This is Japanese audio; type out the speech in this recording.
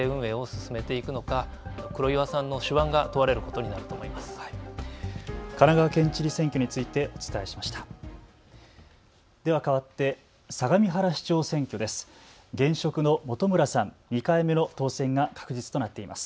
県民の理解を得ながらどう県政運営を進めていくのか黒岩さんの手腕が問われることになると思います。